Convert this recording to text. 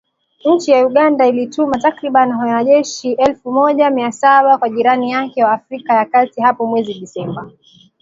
Nchi ya Uganda ilituma takribani wanajeshi elfu moja mia saba kwa jirani yake wa Afrika ya kati hapo mwezi Disemba